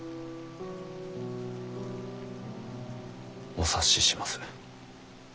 お察しします。